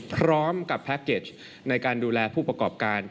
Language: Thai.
พร้อมกับแพ็คเกจในการดูแลผู้ประกอบการ